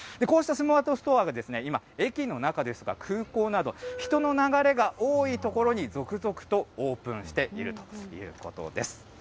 こうしたスマートストアが、今、駅の中ですとか、空港など、人の流れが多い所に続々とオープンしているということです。